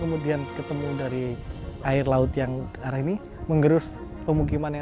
mata pencarian utama iya